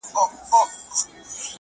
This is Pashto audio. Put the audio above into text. نه له خلوته څخه شېخ، نه له مغانه خیام؛